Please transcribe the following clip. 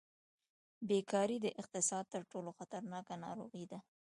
بېکاري د اقتصاد تر ټولو خطرناکه ناروغي ده.